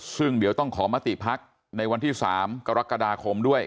ซึ่งเดี๋ยวต้องขอมติพักในวันที่๓กรกฎาคมด้วย